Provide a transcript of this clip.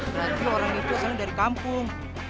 berarti orang itu asalnya dari kampung